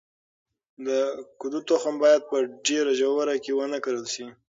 د کدو تخم باید په ډیره ژوره کې ونه کرل شي.